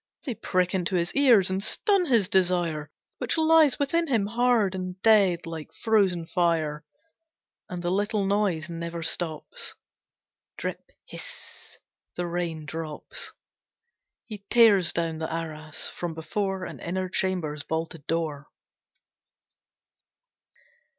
They prick into his ears and stun his desire, which lies within him, hard and dead, like frozen fire. And the little noise never stops. Drip hiss the rain drops. He tears down the arras from before an inner chamber's bolted door.